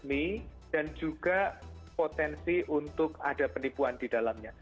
ini dan juga potensi untuk ada penipuan di dalamnya